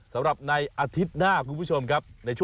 ทำอย่างไรครับนี่